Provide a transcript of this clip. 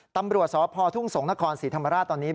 ตำรวจสพทุ่งสงศ์นครศรีธรรมราชตอนนี้